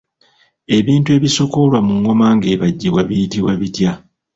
Ebiti ebisokoolwa mu ngoma ng’ebajjibwa biyitibwa bitya?